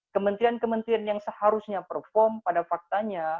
kementerian kementerian yang seharusnya perform pada faktanya